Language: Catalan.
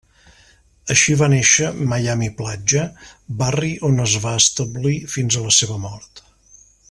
Així va néixer Miami Platja, barri on es va establir fins a la seva mort.